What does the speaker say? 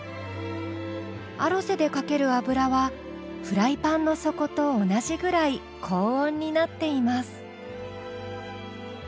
アロゼでかける油はフライパンの底と同じぐらい高温になっています。